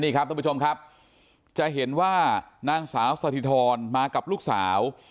นี่ครับท่านผู้ชมครับจะเห็นว่านางสาวสถิธรมากับลูกสาว